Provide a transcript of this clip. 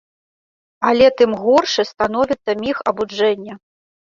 Але тым горшы становіцца міг абуджэння.